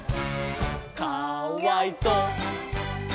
「かわいそ！」